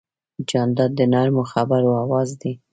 جانداد د نرمو خبرو آواز دی.